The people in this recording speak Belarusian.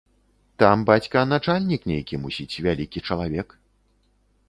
Там бацька начальнік, нейкі, мусіць, вялікі чалавек.